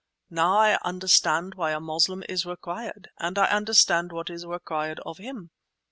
Now I understand why a Moslem is required, and I understand what is required of him.